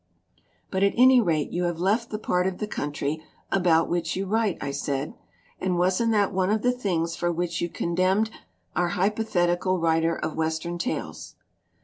"But at any rate you have left the part of the 191 LITERATURE IN THE MAKING country about which you write," I said. "And wasn't that one of the things for which you con demned our hypothetical writer of Western tales?"